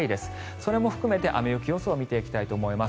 それも含めて雨・雪予想を見ていきたいと思います。